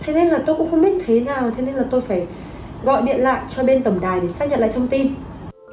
thế nên là tôi cũng không biết thế nào cho nên là tôi phải gọi điện lại cho bên tổng đài để xác nhận lại thông tin